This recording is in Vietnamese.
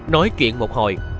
nói chuyện một hồi